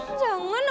enggak enggak enggak